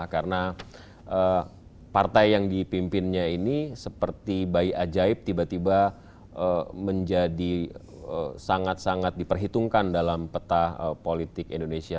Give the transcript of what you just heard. karena partai yang dipimpinnya ini seperti bayi ajaib tiba tiba menjadi sangat sangat diperhitungkan dalam peta politik indonesia